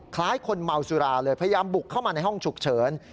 คล้ายคนเมาสุราเลยพยายามบุกเข้ามาในห้องฉุกเฉิน